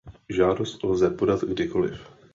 Žádost lze podat kdykoliv.